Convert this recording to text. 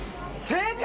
正解。